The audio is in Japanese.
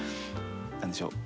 何でしょう。